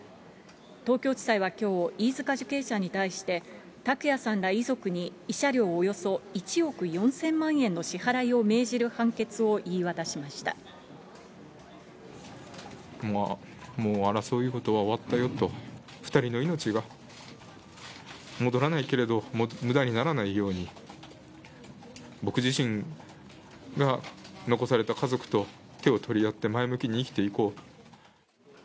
東京地裁はきょう、飯塚受刑者に対して、拓也さんら遺族に慰謝料およそ１億４０００万円の支払いを命じるもう争いごとは終わったよと、２人の命は戻らないけれど、むだにならないように、僕自身が残された家族と手を取り合って前向きに生きていこうと。